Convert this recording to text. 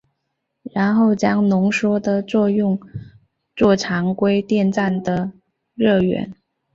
然后将浓缩的热用作常规电站的热源。